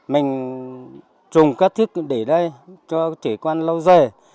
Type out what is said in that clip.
mình dùng các thiết để đây cho trẻ con lâu dài